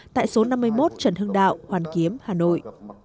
tại số năm mươi một trần hưng đạo hoàn kiếm hà nội